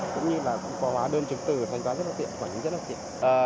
cũng như là có hóa đơn trực tử thành toán rất là tiện quản lý rất là tiện